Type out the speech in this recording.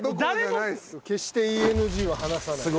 決してＥＮＧは離さない。